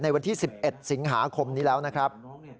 วันที่๑๑สิงหาคมนี้แล้วนะครับ